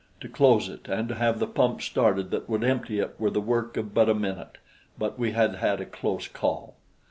To close it and to have the pump started that would empty it were the work of but a minute; but we had had a close call.